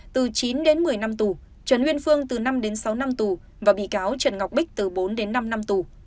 từ chín đến một mươi năm tù trần uyên phương từ năm đến sáu năm tù và bị cáo trần ngọc bích từ bốn đến năm năm tù